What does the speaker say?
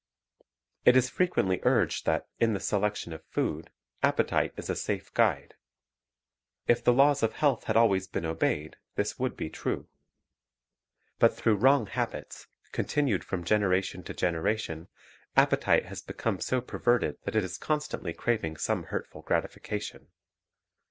It is frequently urged that, in the selection of food, appetite is a safe guide. If the laws of health had always been obeyed, this would be true. But through wrong habits, continued from generation to generation, appetite has become so perverted that it is constantly craving some hurtful gratification.